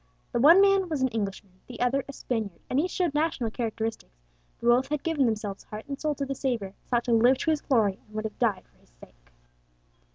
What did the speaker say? The one man was an Englishman, the other a Spaniard, and each showed national characteristics; but both had given themselves heart and soul to the Saviour, sought to live to His glory, and would have died for His sake.